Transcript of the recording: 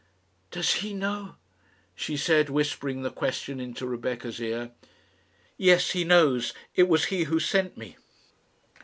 "Does he know?" she said, whispering the question into Rebecca's ear. "Yes, he knows. It was he who sent me."